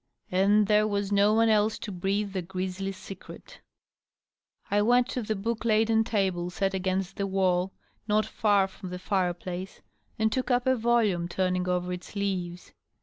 And there was no one else to breathe the grisly secret. I went to the book laden table set against the wall not far from the fireplace, and took up a volume, turning over its leaves.